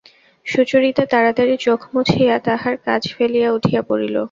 সুচরিতা তাড়াতাড়ি চোখ মুছিয়া তাহার কাজ ফেলিয়া উঠিয়া পড়িল।